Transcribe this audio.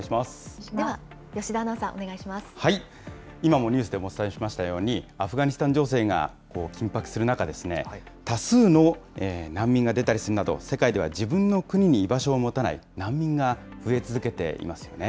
では、吉田アナウンサー、お今もニュースでもお伝えしましたように、アフガニスタン情勢がこう、緊迫する中、多数の難民が出たりするなど、世界では自分の国に居場所を持たない難民が増え続けていますよね。